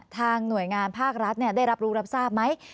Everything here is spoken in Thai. ทางหน่วยงานภาครัฐได้รับรู้รับทราบไหม